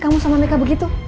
kamu sama meka begitu